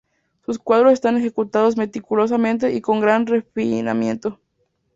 Sus cuadros están ejecutados meticulosamente y con gran refinamiento.